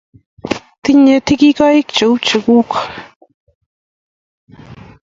Tinye tigikoik che u cheguk